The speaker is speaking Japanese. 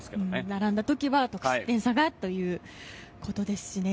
並んだ時は得失点差ということですね。